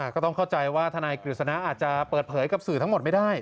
ก็ต้องเข้าใจว่าทนายกฤษณะอาจจะเปิดเผยกับสื่อทั้งหมดไม่ได้